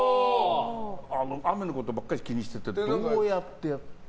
雨のことばっかり気にしててどうやって。